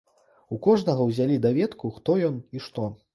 У кожнага ўзялі даведку хто ён і што.